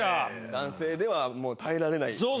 男性ではもう耐えられないっていう。